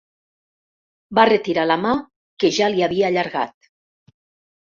Va retirar la mà que ja li havia allargat.